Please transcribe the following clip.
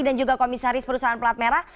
dan juga komisaris perusahaan pelat merah